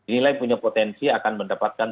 nilai punya potensi akan mendapatkan